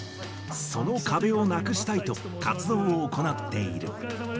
その壁をなくしたいと、活動を行っている。